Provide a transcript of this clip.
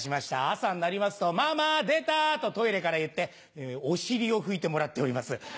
朝になりますと「ママ出た！」とトイレから言ってお尻を拭いてもらっております。